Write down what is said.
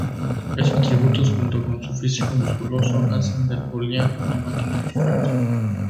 Estos atributos, junto con su físico musculoso, hacen del Goliat una máquina perfecta.